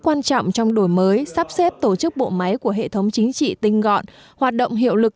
quan trọng trong đổi mới sắp xếp tổ chức bộ máy của hệ thống chính trị tinh gọn hoạt động hiệu lực